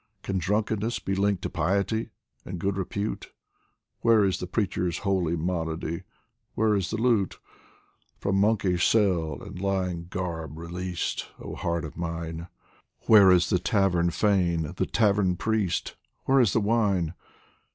Can drunkenness be linked to piety And good repute ? Where is the preacher's holy monody, Where is the lute ? From monkish cell and lying garb released, Oh heart of mine, Where is the Tavern fane, the Tavern priest, Where is the wine